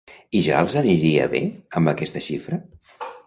I ja els aniria bé amb aquesta xifra?